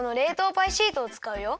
パイシートをつかうよ。